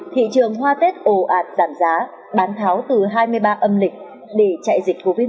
thị trường hoa tết ồ ạt giảm giá bán tháo từ hai mươi ba âm lịch để chạy dịch covid một mươi chín